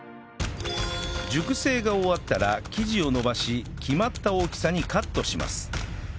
熟成が終わったら生地を延ばし決まった大きさにカットします